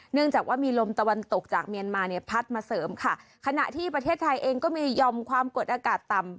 เนื่องจากว่ามีลมตะวันตกจากเมียนมาเนี่ยพัดมาเสริมค่ะขณะที่ประเทศไทยเองก็มียอมความกดอากาศต่ำ